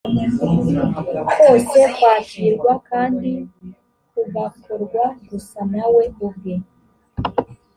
kose kwakirwa kandi kugakorwa gusa nawe ubwe